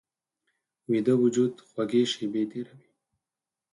ویده وجود خوږې شیبې تېروي